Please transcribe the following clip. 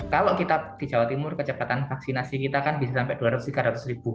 kalau kita di jawa timur kecepatan vaksinasi kita kan bisa sampai dua ratus tiga ratus ribu